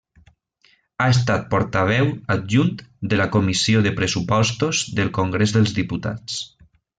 Ha estat portaveu adjunt de la Comissió de Pressupostos del Congrés dels Diputats.